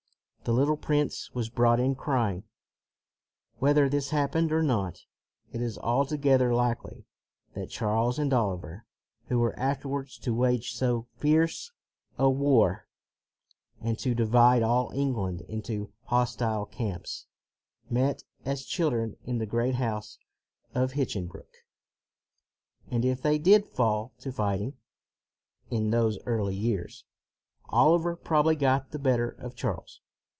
The little prince was brought in crying. Whether this hap pened or not, it is altogether likely that Charles and Oliver, who were afterwards to wage so fierce a war and to divide all England into hostile camps, met as chil dren in the great house of Hinchinbrook. And if they did fall to fighting, in those early years, Oliver probably got the better of Charles.